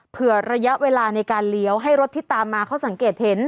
ระยะเวลาในการเลี้ยวให้รถที่ตามมาเขาสังเกตเห็น